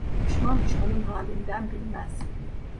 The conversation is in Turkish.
Düşman, düşmanın halinden bilmez.